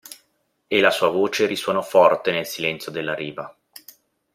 E la sua voce risuonò forte nel silenzio della riva.